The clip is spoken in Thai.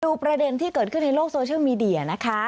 ประเด็นที่เกิดขึ้นในโลกโซเชียลมีเดียนะคะ